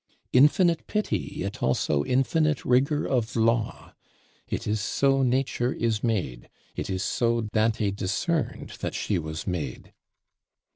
Infinite pity, yet also infinite rigor of law: it is so Nature is made; it is so Dante discerned that she was made.